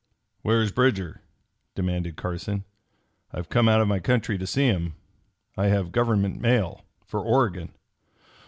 "Where's Bridger?" demanded Carson. "I've come out of my country to see him. I have government mail for Oregon."